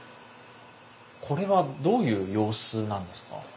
これはどういう様子なんですか？